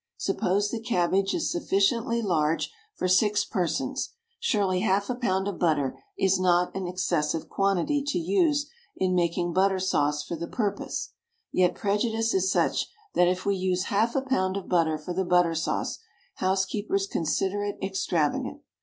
Suppose the cabbage is sufficiently large for six persons, surely half a pound of butter is not an excessive quantity to use in making butter sauce for the purpose. Yet prejudice is such that if we use half a pound of butter for the butter sauce, housekeepers consider it extravagant.